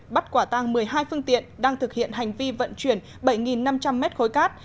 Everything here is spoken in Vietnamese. bắt quả tăng một mươi hai phương tiện đang thực hiện hành vi vận chuyển bảy năm trăm linh mét khối cát